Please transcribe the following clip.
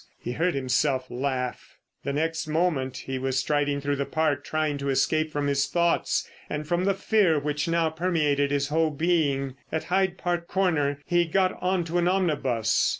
He heard himself laugh. The next moment he was striding through the Park trying to escape from his thoughts and from the fear which now permeated his whole being. At Hyde Park Corner he got on to an omnibus.